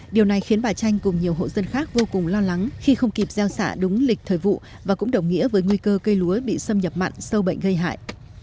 điều này khiến bà tranh cùng nhiều hộ dân khác vô cùng lo lắng khi không kịp gieo xạ đúng lịch thời vụ và cũng đồng nghĩa với nguy cơ cây lúa bị xâm nhập mặn sâu bệnh gây hại